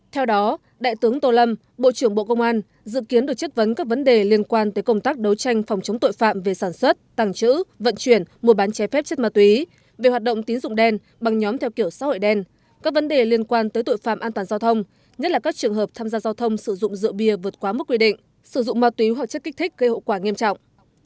theo đó đại tướng tô lâm bộ trưởng bộ công an dự kiến được chất vấn các vấn đề liên quan tới công tác đấu tranh phòng chống tội phạm về sản xuất tàng trữ vận chuyển mua bán ché phép chất ma túy về hoạt động tín dụng đen bằng nhóm theo kiểu xã hội đen các vấn đề liên quan tới tội phạm an toàn giao thông nhất là các trường hợp tham gia giao thông sử dụng rượu bia vượt quá mức quy định sử dụng ma túy hoặc chất kích thích gây hậu quả nghiêm trọng